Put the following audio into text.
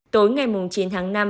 tối ngày chín tháng năm